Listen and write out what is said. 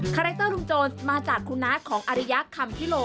คาแรคเตอร์ลุงโจรมาจากคุณน้าของอริยะคำพิโล